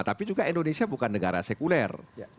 tapi juga indonesia bukan negara sekuler